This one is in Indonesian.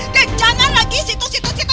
dan jangan lagi situ situ situ